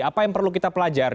apa yang perlu kita pelajari